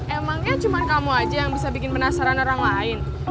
emangnya cuma kamu aja yang bisa bikin penasaran orang lain